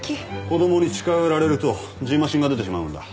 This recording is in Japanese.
子供に近寄られるとじんましんが出てしまうんだ。